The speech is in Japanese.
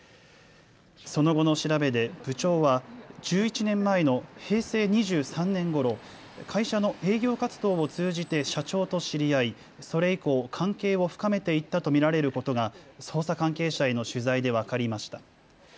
その後の調べで部長は１１年前の平成２３年ごろ、会社の営業活動を通じて社長と知り合いそれ以降、関係を深めていったと見られることが捜査関係者への取材で分かりました。